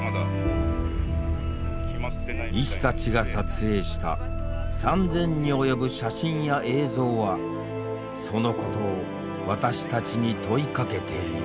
医師たちが撮影した３千に及ぶ写真や映像はそのことを私たちに問いかけている。